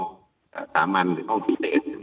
สาหรรณหรือคล่องพิเศษ